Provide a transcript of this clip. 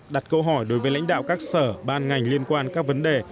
đặt câu hỏi đối với lãnh đạo các sở ban ngành liên quan các vấn đề